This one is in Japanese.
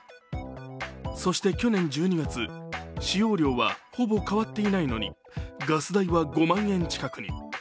そして去年１２月、使用量はほぼ変わっていないのにガス代は５万円近くに。